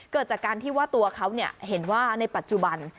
เกิดจากการที่ว่าตัวเขาเห็นว่าในปัจจุบัน